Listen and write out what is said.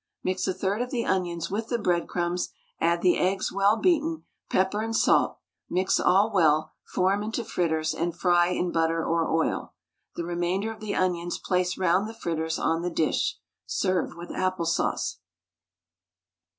Mix a third of the onions with the breadcrumbs, add the eggs well beaten, pepper and salt; mix all well, form into fritters, and fry in butter or oil. The remainder of the onions place round the fritters on the dish. Serve with apple sauce.